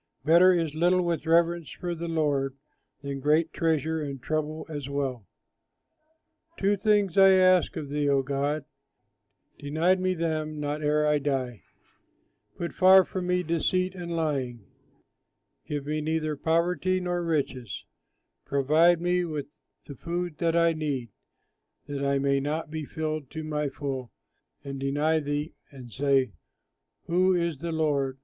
Better is little with reverence for the Lord Than great treasure and trouble as well. Two things I ask of thee, O God, Deny me them not ere I die: Put far from me deceit and lying, Give me neither poverty nor riches; Provide me with the food that I need, That I may not be filled to the full and deny thee, And say, "Who is the Lord?"